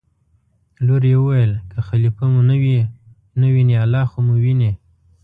لور یې وویل: که خلیفه مو نه ویني الله خو مو ویني.